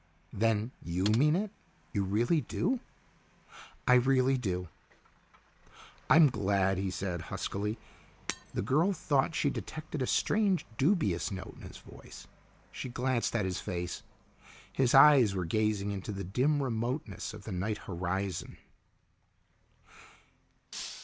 "Then you mean it? You really do?" "I really do." "I'm glad," he said huskily. The girl thought she detected a strange dubious note in his voice. She glanced at his face; his eyes were gazing into the dim remoteness of the night horizon.